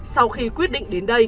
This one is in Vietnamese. sau khi quyết định đến đây